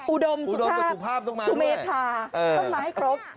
อุดมสุทธาสุเมทาต้องมาให้ครบ